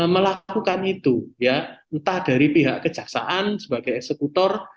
melakukan itu ya entah dari pihak kejaksaan sebagai eksekutor